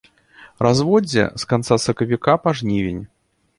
Разводдзе з канца сакавіка па жнівень.